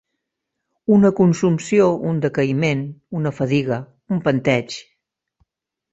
Una consumpció, un decaïment, una fadiga, un panteig.